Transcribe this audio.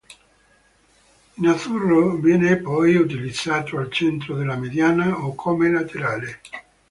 In azzurro viene poi utilizzato al centro della mediana o come laterale.